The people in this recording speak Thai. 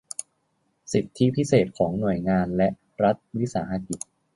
สิทธิพิเศษของหน่วยงานและรัฐวิสาหกิจ